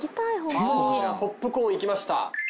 あポップコーンいきました。